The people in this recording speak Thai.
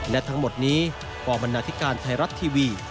และทั้งหมดนี้กรบรรณาธิการไทยรัฐทีวี